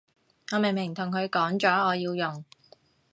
我明明同佢講咗我要用